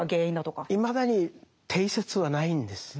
いまだに定説はないんです。